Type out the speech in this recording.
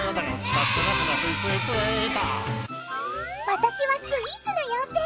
私はスイーツの妖精！